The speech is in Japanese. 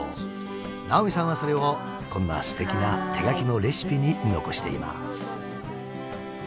直見さんはそれをこんなすてきな手書きのレシピに残しています。